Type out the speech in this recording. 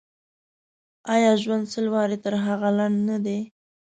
آیا ژوند سل واره تر هغه لنډ نه دی.